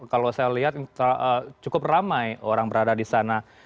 kalau saya lihat cukup ramai orang berada di sana